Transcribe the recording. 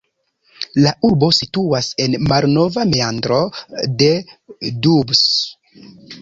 La urbo situas en malnova meandro de Doubs.